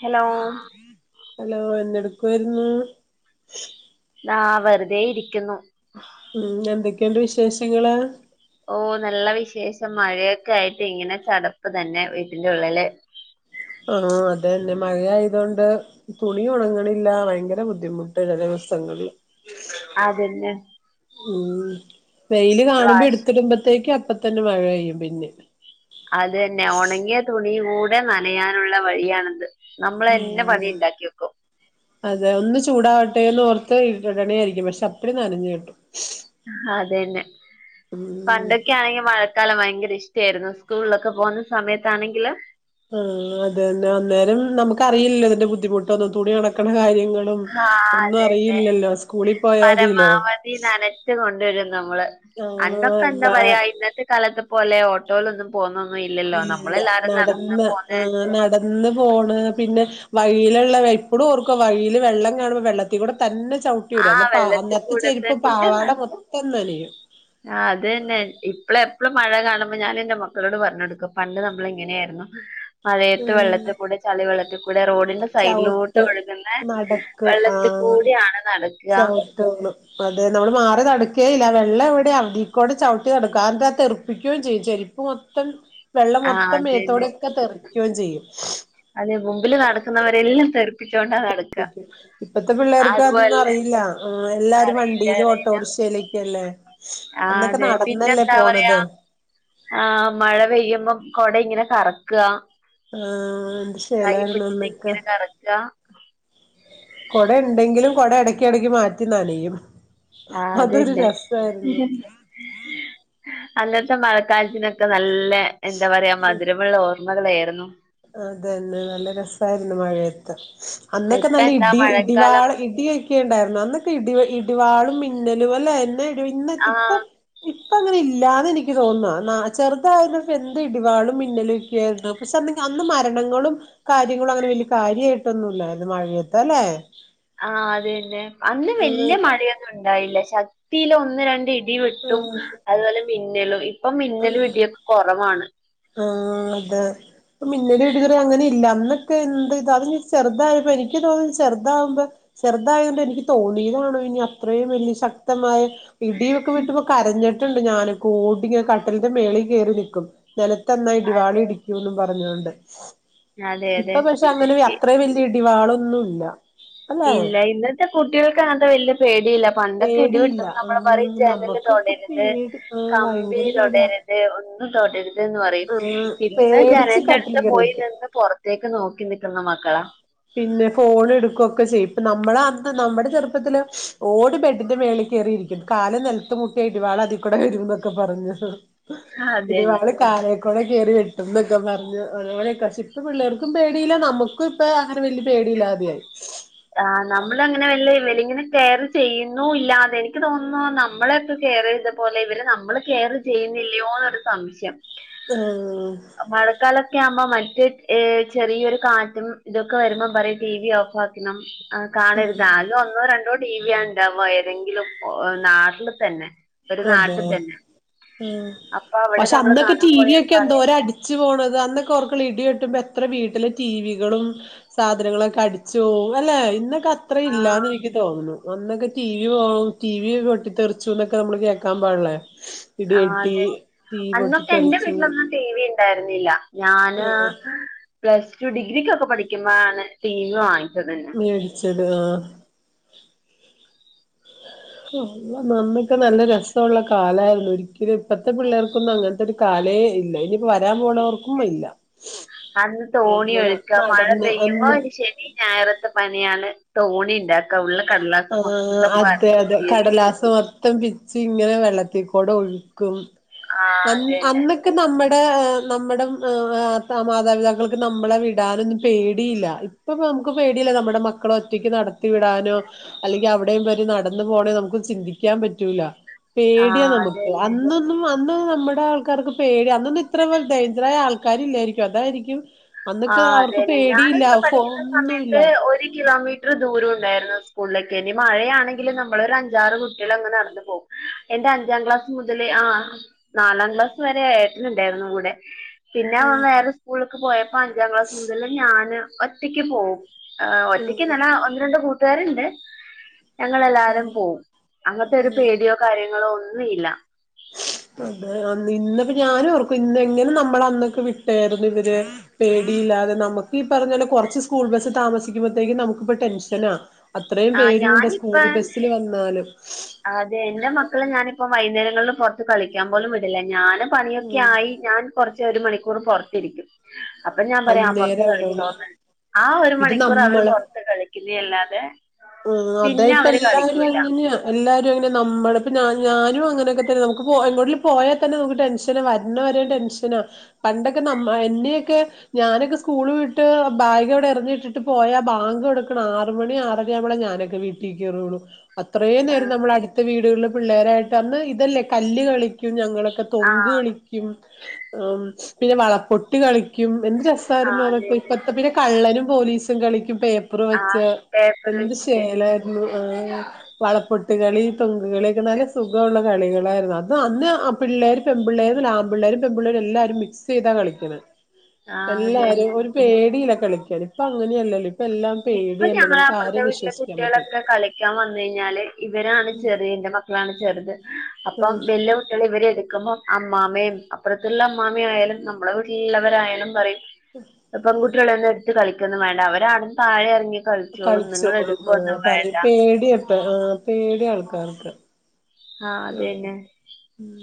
Hello hello എന്തെട്ക്കുവര്ന്ന് ആഹ് വെർതെ ഇരിക്കുന്നു. ഉം എന്തൊക്കെണ്ട് വിശേഷങ്ങള്. ഓഹ് നല്ല വിശേഷം. മഴയൊക്കായിട്ടിങ്ങനെ ചടപ്പ് തന്നെ വീട്ടിന്റുള്ളില് ആഹ് അതന്നെ. മഴയായതോണ്ട് തുണിയുണങ്ങണില്ല ഭയങ്കര ബുദ്ധിമുട്ട് ചെല ദിവസങ്ങളിൽ. അതന്നെ ഉം വെയില് കാണുമ്പോ വാഷ് എടുത്തിടുമ്പോത്തേക്ക് അപ്പ തന്നെ മഴ പെയ്യും പിന്നെ, അതന്നെ. ഒണങ്ങിയ തുണി കൂടെ നനയാനുള്ള വഴിയാണത്. നമ്മളന്നെ പണി ആഹ് ഇണ്ടാക്കി വെക്കും അതെ ഒന്ന് ചൂടാവട്ടെന്നോർത്ത് ഇടണേയായിരിക്കും പക്ഷെ അപ്പടി നനഞ്ഞു കിട്ടും. അതന്നെ ഉം പണ്ടൊക്കാണെങ്കിൽ മഴ ക്കാലം ഭയങ്കര ഇഷ്ടയിരുന്നു സ്കൂളിലൊക്കെ പോകുന്ന സമയത്താണെങ്കില് ആഹ് അതന്നെ അന്നേരം നമുക്കറിയില്ലല്ലോ അതിന്റെ ബുദ്ധിമുട്ട് ഒന്നും തുണി ഒണക്കണ കാര്യങ്ങളും. ആ ഒന്നും അതന്നെ അറിയില്ലല്ലോ സ്കൂളിൽ പോയാതിലോ തി നനച്ച് കൊണ്ടുവരും നമ്മള് അന്നൊക്കെ എന്താ പറയാ ആഹ് ഇന്നത്തെ കാലത്ത് പോലെയോ ട്ടോലൊന്നും പോകുന്നൊന്നും ഇല്ലല്ലോ ഇല്ല നമ്മളെല്ലാരും നടന്ന് പോന്ന എന്ന് ഫോണ് പിന്നെ വയില്ള്ള ഇപ്പളും ഓർക്കും വഴില് വെള്ളം കാണുമ്പോ വെള്ളത്തി കൂടെ തന്നെ ചൗ ട്ടിരും ആ അന്ന് പാ വെള്ളത്തി അന്നത്തെ കൂടെ ചെരുപ്പ് പാവാട മൊത്തം ന്നനയും. ആഹ് അതന്നെ ഇപ്പള് എപ്പഴും മഴ കാണുമ്പോ ഞാനെന്റെ മക്കളോട് പറഞ്ഞെടുക്കും പണ്ട് നമ്മള് ഇങ്ങനെയായിരുന്നു. [inaudible] മഴയത്ത് ഉം വെള്ളത്തിൽ കൂടെ ചളി വെള്ളത്തി കൂടെ റോഡിന്റെ സൈഡിലോട്ട് ചവിട്ട് ഒഴുകുന്ന നടക്കും വെള്ളത്തി കൂടിയാണ് നടക്ക തള്ളു അതെ നമ്മള് മാറി നടക്കേയില്ല വെള്ളം എവിടെ അതീകൂടെ ചവിട്ടി നടക്കൂ അതെന്താ തെറുപ്പിക്കുകയും ചെയ്യും ചെരിപ്പ് മൊ ത്തം വെള്ളം ആ മൊത്തം അതന്നെ മേത്തോടെയൊക്കെ തെറിക്കുകയും ചെയ്യും. അതെ മുമ്പില് നടക്കുന്നവരെല്ലാം തെറുപ്പിച്ചോണ്ടാ നട ഇപ്പത്തെ പിള്ളേർക്ക് അതൊന്നും അറിയില്ല എല്ലാരും വണ്ടിയിലും ഓട്ടോറിക്ഷയിലേക്കല്ലേ. ആഹ് അന്നൊക്കെ അതെ നടന്നല്ലേ പിന്നെന്താ പറയാ പോണത് ആഹ് മഴ പെയ്യുമ്പോ കൊട ഇങ്ങനെ കറക്ക ആഹ് എന്ത് ശേലായിരുന്നു അന്നൊക്കെ, നടക്ക കുട ഇണ്ടെങ്കിലും കൊട എടക്കിടക്ക് മാറ്റി നനയും ആ അതൊരു അതന്നെ രസായിരുന്നു. അന്നത്തെ മഴക്കാലത്തിനൊക്കെ നല്ല എന്താ പറയാ മധുരമുള്ള ഓർ മ്മകളേരുന്നു അതന്നെ നല്ല രസായിരുന്നു മഴയത്ത്. അന്നൊക്കെ ഇപ്പ നല്ല എന്താ ഇടി മഴക്കാലം ഇടിവാള ഇടിയ ക്കേണ്ടായിരുന്നു അന്നൊക്കെ ഇടി ഇടിവാളും മിന്നലും അല്ലേ എന്ന ഇടി ഇന്ന ഇപ്പ, ആഹ് ഇപ്പ അങ്ങനെല്ലാന്ന് എനിക്ക് തോന്ന ചെറുതായപ്പോ എന്ത് ഇടിവാളും മിന്നലൊക്കായിരുന്നു പക്ഷെ അ അന്ന് മരണങ്ങളും കാര്യങ്ങളും അങ്ങനെ വല്ല്യ കാര്യായിട്ടൊന്നും ല്ലായിരുന്നു മഴയത്ത് അല്ലെ. ആഹ് അതന്നെ അന്ന് ആഹ് വല്യ മഴയൊന്നും ഉണ്ടായില്ല ശക്തില് ഒന്ന് രണ്ട് ഇ ടി വെട്ടും അതുപോലെ മിന്നലും ഇപ്പൊ ആഹ് മിന്നലും ഇടിയൊക്കെ കൊറവാണ്. ആഹ് അതെ ഇപ്പോ മിന്നലും ഇടി [unintelligible] അങ്ങനെ ഇല്ല അന്നൊക്കെ എന്ത് ഇ അത് ചെറുതായപ്പോ എനിക്ക് തോന്നു ചെറുതാവുമ്പോ, ചെറുതായത് കൊണ്ട് എനിക്ക് തോന്നിയതാണോ ഇനി അത്രയും വലിയ ശക്തമായ, ഇടിയൊക്കെ വെട്ടുമ്പോ കരഞ്ഞിട്ടുണ്ട് ഞാനൊക്കെ ഓടി കട്ടലിന്റെ മേളിൽ കേറി നക്കും. നിലത്ത്ന്നാ ഇടി വാള് അതെ ഇടിക്കൂന്ന് പറഞ്ഞുകോണ്ട് അതെ അതെ ഇപ്പ പക്ഷെ അങ്ങനെ, അ ഇ- ത്രേ വല്ല്യ ഇടിവാളൊന്നുല്ല അല്ലെ ഇല്ല ഇന്നത്തെ കുട്ടികൾക്ക് അങ്ങൻത്തെ വല്ല്യ പേടിയില്ല പണ്ടൊക്കെ പേടിയില്ല ഇടിവെട്ടുമ്പോ നമ്മള് പറയും ആഹ് ജനല് നമ്മുക്കൊക്കെ തൊടരുത്, പേടി ആഹ് കമ്പി ഭയങ്കര പേടിയാ തൊടരു ത് ഒന്നും തൊടരുത് ന്ന് പറയും ആഹ് ഇന്ന് പേടിച്ച് ജനൽന്റെ കട്ടിലിൽ അടുത്ത് കേറി പോയി ഇരിക്കും നിന്ന് പൊറത്തേക്ക് നോക്കി നിക്കുന്ന മക്കളാ, പിന്നെ ഫോൺ എടുക്കൊക്കെ ചെയ്യും ഇപ്പ നമ്മള അന്ന് നമ്മുടെ ചെറുപ്പത്തില് ഓടി ബെഡിന്റെ മേളി കേറിയിരിക്കും. കാല് നെലത്ത്‌ മുട്ട്യ ഇടിവാളതികൂടെ വരുംന്നൊക്കെ പറഞ്ഞു അതന്നെ ഇടിവാള്. കാലെക്കൂടെ കേറി വെര്ത്തും എന്നൊക്കെ പറഞ്ഞു അതുപോലെ ക പക്ഷെ ഇപ്പ പിള്ളേർക്കും പേടിയില്ല നമ്മക്കും ഇപ്പ. അങ്ങനെ വല്ല്യ പേടിയില്ലാതെയായി. ആഹ് നമ്മളങ്ങനെ വല്ല ഇവല്ങ്ങനെ കെയറ് ചെയ്യുന്നു ഇല്ലാതെ എനിക്ക് തോന്നുന്നു നമ്മളെക്കെ കെയറ്യ്ത. പോലെ ഇവര് നമ്മള് കെയറ് ചെയ്യുന്നില്ലയോന്നൊരു സംശയം. ആഹ്. മഴക്കാലൊക്കെ ആവുമ്പ മറ്റ് ഏഹ് ചെറിയൊരു കാറ്റും ഇതൊക്കെ വരുമ്പം പറയും ടി വി ഓഫ് ആക് കണം കാണരുത് ആകെ ഒ ന്നോ രണ്ടോ ടി വിയ ഉണ്ടാവാ ഏതെങ്കിലും ഒ നാട്ടില് തന്നെ. ഒരു അതെ നാട്ടി തന്നെ ആഹ് അപ്പൊ അവിടെ പക്ഷെ നമ്മള് അന്നൊക്കെ ടി കാണാൻ വി പോയാ യൊക്കെ പറയും എന്തോര അടി ച്ച് പോണത് അന്നൊക്കെ ഓർക്കള് ഇടി വെട്ടുമ്പ എത്ര വീട്ടിലെ ടി വികളും. സാധനങ്ങളൊക്കെ അടിച്ചോവും അല്ലെ ഇന്നക്ക ത്ര ഇല്ലാന്ന് ആഹ് എനിക്ക് തോന്നുന്നു അന്നൊക്കെ ടി വി പോകു ടി വി പൊട്ടിത്തെറിച്ചുന്നൊ ക്കെ നമ്മള് കേക്കാൻ പാടില്ലേ ആഹ് ഇടിവെട്ടി അതെ തീ അന്നൊക്കെ എന്റെ പൊട്ടിത്തെറിച്ചു. വീട്ടിലൊന്നും ടി വി ഉണ്ടായിരുന്നില്ല ഞാന്. ആഹ് പ്ലസ് ടു ഡിഗ്രിക്കൊക്കെ പഠിക്കുബാണ് ടി വി വാങ്ങിച്ചത്. മേടിച്ചത് ആഹ്. ആ [unintelligible] അന്നൊക്കെ നല്ല രസവുള്ള കാലായിരുന്നു ഒരിക്കലും ഇപ്പത്തെ പിള്ളേർക്കൊന്നും അങ്ങൻത്തെര്. കാലെ ഇല്ലയ്നു. വരാൻ പോണവർക്കും ഇല്ല അന്ന് തോണി നമ്മള് ഒഴുക്ക മഴ നടന്ന് പെയ്യുമ്പോ അന്ന്. ഒരു ശനി ഞായറത്തെ പണിയാണ് തോണി ഇണ്ടാക്ക ഉള്ള കടലാസ് ആഹ് മൊത്തം പരത്തി കീറി. ത്തം പിച്ചി ഇങ്ങനെ വെള്ളത്തിക്കൂടെ ഒഴുക്കും ആ അ അതന്നെ അന്നൊ ക്കെ നമ്മടെ നമ്മടെ ഏഹ് സ മാതാപിതാക്കൾക്ക് നമ്മളെ വിടാനൊന്നും പേടിയില്ല. ഇപ്പപ്പം നമക്ക് പേടിയല്ലെ നമ്മടെ മക്കളെ ഒറ്റയ്ക്ക് നടത്തി വിടാൻ. നൊ അല്ലെങ്കി അവ്ടെയും ഇവര് നടന്നു പോണേ നമുക്ക് ചിന്തിക്കാൻ പറ്റൂല. ആ പേടിയ നമുക്ക് അതന്നെ അന്ന്. ന്നും അന്ന് നമ്മടെ ആൾക്കാർക്ക് പേടിയ അന്നൊന്നും ഇത്ര [unintelligible] ദരിദ്രരായ ആൾക്കാരില്ലായിരിക്ക്യും അതായിരിക്ക്യും. ആഹ് അതെന്നെ ഞാനൊക്ക പഠിക്ക്യുന്ന ഫോണൊന്നുല്ല സമയത്ത് ഒരു കിലോമീ റ്റർ ദൂരുവുണ്ടായിരുന്നു സ്കൂൾലേക്ക് എനി മഴയാണെങ്കിലും നമ്മളൊരഞ്ചാറ് കുട്ട്യളങ് നടന്ന് പോവും. എന്റെ അഞ്ചാം ക്ലാസ് മുതല് ആ നാലാം ക്ലാസ് വരെ ഏട്ടനുണ്ടായിരുന്നു കൂടെ. പിന്നെ ആഹ് അവൻ വേറെ സ്കൂൾലേക്ക് പോയപ്പൊ അഞ്ചാം ക്ലാസ് മുതല് ഞാന് ഒറ്റയ്ക്ക് പോവും. ആ ആഹ് ഒറ്റയ്ക്ക്ന്നല്ല ഒന്ന് രണ്ട് കൂട്ടുകാരുണ്ട്. ഞങ്ങളെല്ലാരും പോവും അങ്ങൻത്തെരു പേടിയോ കാര്യങ്ങളോ ഒന്നും ഇല്ല. അതെ അന്ന് ഇന്നിപ്പൊ ഞാനോർക്കും ഇന്ന് എങ്ങനെ നമ്മളന്നൊക്കെ വിട്ടേയിരുന്നു ഇവര്. പേടിയില്ലാതെ നമുക്ക് ഈ പറഞ്ഞലെ കുറച്ച് സ്കൂൾ ബസ്സ് താമസിക്കുമ്പഴത്തേക്കും നമുക്കിപ്പ ടെൻഷനാ. അത്രയും ആഹ് പേരുണ്ട ഞാനിപ്പ സ്കൂൾ ബസില് വന്നാലും. അതെ എന്റെ മക്കളെ ഞാനിപ്പം വൈന്നേരങ്ങളിൽ പൊറത്ത് കളിക്കാൻ പോലും വിടില്ല ഞാനും. പണിയൊക്കെ ഉം ആയി ഞാൻ കൊറച്ച് ഒരു മണിക്കൂർ പൊറത്തിരിക്കും. അപ്പ ഞാൻ പറയും ആ പൊറത്ത് അന്നേരം അവരോട് കളിച്ചോന്ന്. ആ ഒരു ഇത് മണിക്കൂറ് അവര് പൊറത്ത് കളിക്ക്യുന്നെയല്ലാതെ. ആ അതായിപ്പ എല്ലാവരു അങ്ങനെയാ. എല്ലാരു അങ്ങനെ നമ്മടെ ഇപ്പ ഞ്ഞാ ഞാനും അങ്ങനൊക്കെ തന്നെ നമുക്ക് പോവാൻ എങ്ങോട്ടെലും പോയാൽ തന്നെ നമുക്ക് ടെൻഷന വര്ണവരെ ടെൻ ഷന പണ്ടൊക്കെ നമ്മ എന്നെയൊക്കെ. ഞാനൊക്കെ സ്കൂള് വിട്ട് ബാഗ് എവിടെ എറിഞ്ഞിട്ടിട്ട് പോയാ ബാങ്ക് കൊടുക്കണം ആറ് മണി ആറര ആവുമ്പള ഞാനൊക്കെ വീ ചിക്കെറൊള്ളു. അത്രയും നേരം ആഹ് നമ്മള് അടുത്ത വീടുകളിൽ പിള്ളേരായിട്ട് അന്ന് ഇതല്ലേ കല്ല് കളിക്കും ഞങ്ങൾ തോങ്ക് ആഹ് കളിക്കും പിന്നെ വളപ്പൊട്ട് കളിക്കും എന്ത് രസ.. രസായിരുന്നു ആഹ് അതെ അതൊക്കെ അതെ ഇപ്പഴത്തെ പിന്നെ കള്ളനും പോലീസും കളിക്കും പേ.. പേപ്പർ വെച്ച് ആഹ് പേപ്പർ എന്ത് വെച്ചിട്ട് ശേലായിരുന്നു ഏ.. വളപ്പൊട്ട് കളി തൊങ്കകളി ഒക്കെ നല്ല സുഖമുള്ള കളികളായിരുന്നു അന്ന് അന്ന് പിള്ളേര് പെൺ പിള്ളേരും ആൺ പിള്ളേരും പെമ്പിള്ളേരും എല്ലാരും മിക്സ് ചെയ്താ കളിക്കണത്. ആഹ് അത് തന്നെ എല്ലാരും ഒരു പേടിയില കളിക്കാൻ ഇപ്പ അങ്ങനെയല്ലല്ലോ ഇപ്പൊ എല്ലാം ഇപ്പൊ പേടിയല്ലേ ഞങ്ങള നമുക്ക് അപ്പുറത്തെ ആരെയും വീട്ടിലെ വിശ്വസിക്കാൻ പറ്റില്ല കുട്ടികളൊക്കെ കളിക്കാൻ വന്ന് കഴിഞ്ഞാല് ഇവരാണ് ചെറിയ എന്റെ മക്കൾ മക്കളാണ് ചെറുത് അപ്പം ആഹ് വല്യകുട്ടികൾ ഇവരെ എടുക്കുമ്പോ അമ്മാമയും അപ്പുറത്തുള്ള അമ്മാമയാലും നമ്മളെ വീട്ടിലുള്ളവരായാലും പറയും ഉം പെൺകുട്ടികളൊന്നും എടുത്ത് കളിക്കന്നും വേണ്ട അവരാട താഴെ ഇറങ്ങി നിങ്ങൾ കളിച്ചോളും ആ എടുക്കൊന്നും വേണ്ട പറയും പേടിയപ്പ ആ പേടിയ ആൾക്കാർക്ക് ആ ഓഹ് അതന്നെ ഉം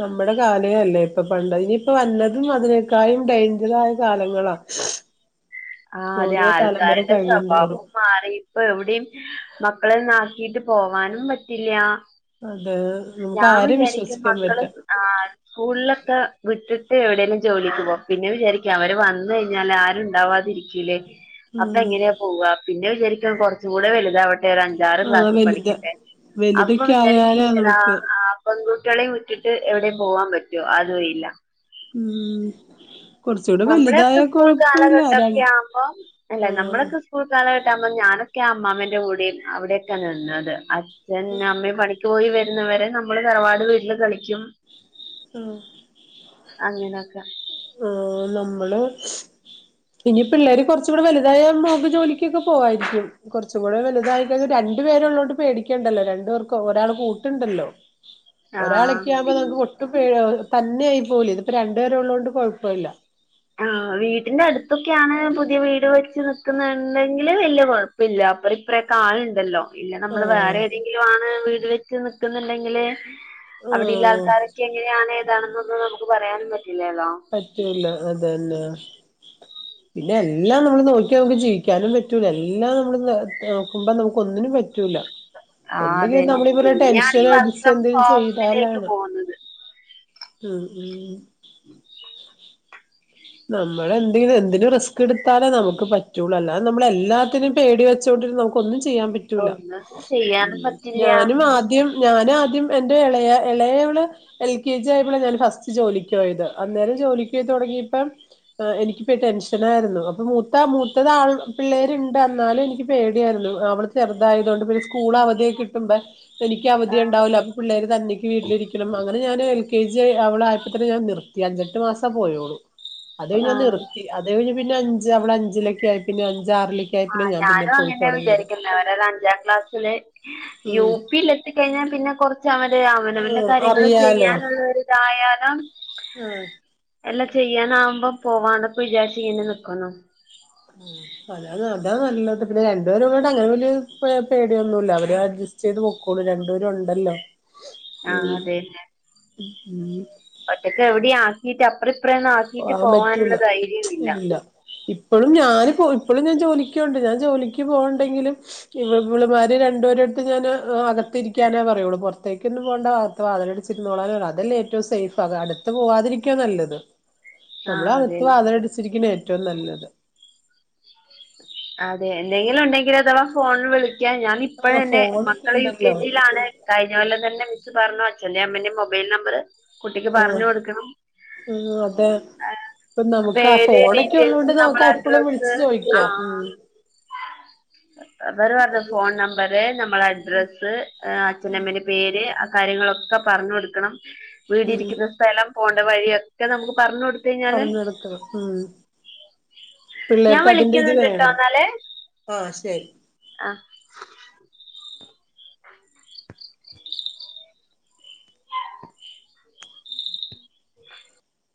നമ്മുടെ കാലേയല്ല ഇപ്പൊ പണ്ട് ഇനിയിപ്പ വല്ലതും അതിനേക്കായും ഡേഞ്ചറായ കാലങ്ങളാ ആഹ് അതെ ഓരോ തലമുറ ആൾക്കാരുടെ കഴിയുന്തോറും സ്വഭാവം മാറി ഇപ്പൊ എവിടെയും മക്കളൊന്നും ആക്കിട്ട് പോവാനും പറ്റില്ല അതെ നമുക്ക് ഞാൻ ആരേയും വിചാരിക്കും വിശ്വസിക്കാൻ മക്കള് പറ്റാം ആഹ് സ്കൂളിലൊക്കെ വിട്ടിട്ട് എവിടെങ്കലും ജോലിക്ക് പോക പിന്നെ വിചാരിക്കും അവര് വന്ന് കഴിഞ്ഞാ ആരും ഉണ്ടാവാതിരിക്- അപ്പ ഉം എങ്ങനെയാ പോവ പിന്നെ വിചാരിക്കും കുറച്ച കൂടെ വലുതാവട്ടെ ഒരു അഞ്ചാറ് ആ ക്ലാസ് വലുത പഠിക്കട്ടെ അപ്പൊ വലുതൊക്കെ വിചാരിക്കും ആയാലാ ഈശ്വരാ നമുക്ക് ആഹ് പെൺകുട്ടികളെ വിട്ടിട്ട് എവിടെയും പോവാൻ പറ്റോ അതുവില്ല ഉം കുറച്ചൂടെ വലുതായ നമ്മളൊക്കെ സ്കൂൾ കൊഴപ്പല്ല ര കാലഘട്ടൊക്കെ ആവുമ്പോം അല്ലെ ആഹ് നമ്മളൊക്കെ സ്കൂൾ കാലഘട്ടമാകുമ്പോ ഞാനൊക്കെ ആ അമ്മാമന്റെ കൂടെ അവിടെയക്കാ നിന്നത് അച്ഛൻ അമ്മയും പണിക്- പോയി വരുന്നവരെ നമ്മള് തറവാട് വീട്ടില് കളിക്കും ഉം അങ്ങനെയൊക്കെ ആഹ് നമ്മള് ഇനി പിള്ളേര് കുറച്ച് കൂടെ വലുതായ മോൾക്ക് ജോലിക്കൊക്കെ പോവായിരിക്കും കുറച്ചും കൂടെ വലുതായി കഴിഞ്ഞാ രണ്ടു പേരുള്ളോണ്ട് പേടിക്കേണ്ടല്ലോ രണ്ടു പേർക്ക് ഒരാൾ കൂട്ടുണ്ടല്ലോ ആഹ് ഒരാളൊക്കെ ആവുമ്പോ പിന്നെ നമുക്ക് പ- തന്നെ ആയി പോവില്ലേ ഇതിപ്പോ രണ്ടു പേര് ഉള്ളതുകൊണ്ട് കുഴപ്പല്ല ആഹ് വീട്ടിന്റെ അടുത്തൊക്കെയാണ് പുതിയ വീട് വെച്ച് നിക്കുന്നുണ്ടെങ്കില് വല്യയ കുഴപ്പല്ല അവരുടെ ഒപ്പരകാളുണ്ടല്ലോ ഇല്ല നമ്മള് ആഹ് വേറെ ഏതെങ്കിലും ആണ് വീട് വെച്ച് നിക്കുന്നുണ്ടെങ്കില് അവിടെള്ള ആഹ് ആൾക്കാരൊക്കെ എങ്ങനെയ ആണ് ഏതാണെന്നൊന്നും നമുക്ക് പറയാനും പറ്റില്ലല്ലോ പറ്റൂല അതന്നെ പിന്നെ എല്ലാം നമ്മള് നോക്കി നമുക്ക് ജീവിക്കാനും പറ്റൂല എല്ലാം നമ്മള് നോക്കുമ്പ നമുക്ക് ഒന്നിനും പറ്റൂല ആഹ് എന്തെങ്കിലും അതന്നെ നമ്മളി പറഞ്ഞപോലെ പിന്നെയാണ് ടെൻഷൻ ഈ വർക്ക് അടിച് ഫ്രം എന്തെങ്കിലും ഹോമിലേക്ക് ചെയ്താലാണ് പോകുന്നത് ഉം നമ്മള എന്തെങ്കിലും എന്തിനും റിസ്ക് എടുത്താലേ നമുക് പറ്റുള്ളൂ അല്ലാതെ നമ്മള എല്ലാത്തിനും പേടി വെച്ചോണ്ടിരുന്ന നമുക്- ഒന്നും ചെയ്യാൻ പറ്റൂല ഒന്നും ചെയ്യാനും പറ്റില്ല ഞാനും ആദ്യം ഞാന ആദ്യം എന്റെ ഇളയ ഇളയവളെ എൽ കെ ജി ആയപ്പോള ഞാന് ഫസ്റ്റ് ജോലിക്കൊയത്. അന്നേരം ജോലിക്ക് പോയി തുടങ്ങിയപ്പം. ആഹ് എനിക്പ്പ ടെൻഷനായിരുന്നു. അപ്പൊ മൂത്ത മൂത്തത് ആൺ പിള്ളേര്ണ്ട് ന്നാലും എനിക്ക് പേടിയായിരുന്നു. അവള് ചെറുതായതൊണ്ട് പിന്നെ സ്കൂളവധി കിട്ടുമ്പ എനിക്യവധി ആഹ് ണ്ടാവൂല. അപ്പ പിള്ളേര് തന്നിക്ക് വീട്ടിലിരിക്കണം. അങ്ങനെ ഞാന് കെ ജി അവളായപ്പൊ ത്തന്നെ ഞാൻ നിർത്തി. അഞ്ചെട്ട് മാസം പോയള്ളൂ. അത് കയിഞ്ഞ് ഞാൻ ആഹ് നിർത്തി അത് കയിഞ്ഞ് ഞാ നിർത്തി. അത്കഴിഞ് പിന്നെ അഞ്ച് അവള് അഞ്ചിലൊക്കായി. പിന്നെ അഞ്ചാറിലേ- കെറ്ററിംഗ പിന്നെ പ്പൊ തൊടങ്ങിയത്. അവനത് അഞ്ചാം ക്ലാസ്സില് യു ഉം പിൽ എത്തിക്കഴിഞ്ഞാ പിന്നെ കൊറച്ച് അവര് അവനവന്റെ ആഹ് കാര്യങ്ങള് അറിയാലോ ചെയ്യാനുള്ള രു ഇതായാലും ആഹ് എല്ലാ ചെയ്യാനാവുമ്പോ പോവാന്നൊക്കെ വിജാരിച്ച് ഇങ്ങെനെ നിക്കുന്നു. [inaudible] അത അതാ ന്നല്ലെത്. പിന്നെ രണ്ടുപേര് ള്ളോണ്ട് അങ്ങെനെ വെല്യോരു പേ പേടിയൊന്നുല്ല. അവര് അട്ജെ ചെയ്യ്ത് പൊക്കോളും. രണ്ടുപേരുംഅവിടെ ഒണ്ടല്ലോ. ആഹ് അതെലെ. ഒറ്റെക്ക് എവ്ടിം ആക്കീട്ട് അപ്പ്ർ ഇപ്പ്റെന്നാ ആൾ ക്കീട്ട് പോവാൻ പോവാനുള്ള ധൈര്യോ ഇല്ല. ഇപ്പളും ഞാന് പോ ഇപ്പഴും ഞാൻ ജോലിക്പോവ്ണ്ട്. ഞാൻ ജോലിക്ക് പോവ്ണ്ടെങ്കിലും ഇവ് ഇവൾമ്മാര് രണ്ടുപേരെട്ത്തും ഞാന് അകത്തിരിക്കാനേ പറയൊള്ളു. പൊർത്തേക്കൊന്നും പോണ്ട. കത്ത് വാതിലടച്ചിര്ന്നോള അതല്ലേ ഏറ്റവും സേഫ്. അട്ത്ത് പോവാതിരിക്ക ഏറ്റവും ന്നല്ലെത്. ന്നമ്മള് ആഹ് അകത്ത് അതന്നെ വാതിലടച്ചിരിക്കുന്നതാ ഏറ്റെവും ന്നല്ലെത്. അതെ എന്തെങ്കിലും ഉണ്ടെങ്കില് അഥവാ ഫോണ് വിളിക്കാ ഞാൻ ആഹ് ഇപ്പഴെന്നെ ഫോണൊക്കെ മക്കള് യു ഉണ്ടല്ലോ കെ ജിയിലാണ്. കഴ്‌ഞ്ഞൊല്ലൊം തന്നെ മിസ് പർഞ്ഞു അച്ഛന്റിം അമ്മന്റിം മൊബൈൽ നമ്പർ കുട്ടിക്ക് പറഞ് കൊട്ക്കണം. ഉം അതെ ഇപ്പ ന്നമുക്ക് ആഹ് പേര് ഫോണൊക്കെ ഡീറ്റെയിൽസ് ള്ളോണ്ട് നമ്മളെ ന്നമുക്ക് എപ്പഴും അഡ്രസ്സ് വിളിച്ച് ചോയ്ക്കാം. ഉം ആഹ് അവര് പർഞ്ഞു ഫോൺ നമ്പെര് ന്നമ്മളെ അഡ്രസ്സ് അച്ഛനമ്മേന്റെ പേര് കാര്യങ്ങളൊക്കെ പർഞ് കൊട്ക്കണം ഉം വീടിരിക്കുന്ന സ്ഥലം പോകേണ്ട വഴിയൊക്കെ ന്നമുക്ക് പർഞ് കൊട് പർഞ് കൊട്ക്കണം. ഉം പിള്ളേർക്ക് അതിന്റെ ഇത് വേണം. ട്ടാ ഇന്നാല്. ആഹ് ശരി ആഹ്.